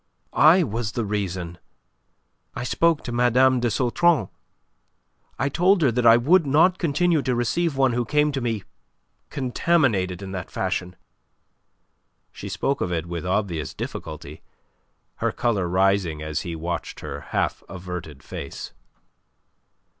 "I was the reason. I spoke to Mme. de Sautron. I told her that I would not continue to receive one who came to me contaminated in that fashion." She spoke of it with obvious difficulty, her colour rising as he watched her half averted face.